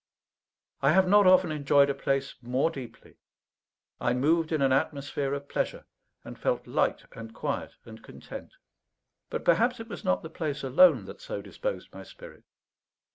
I have not often enjoyed a place more deeply. I moved in an atmosphere of pleasure, and felt light and quiet and content. But perhaps it was not the place alone that so disposed my spirit.